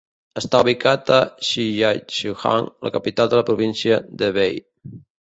Està ubicat a Shijiazhuang, la capital de la província d'Hebei.